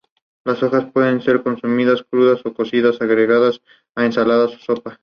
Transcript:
Estos exámenes servirán para formar las selecciones estatales que asistirán al Concurso Nacional.